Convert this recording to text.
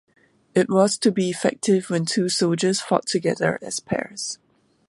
It was to be effective when two soldiers fought together as pairs.